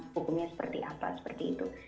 hukumnya seperti apa seperti itu